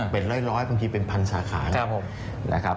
เป็นร้อยบางทีเป็นพันธุ์สาขา